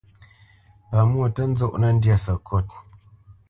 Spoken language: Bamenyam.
Pamwô tǝ́ nzɔnǝ́ ndyâ sǝkôt.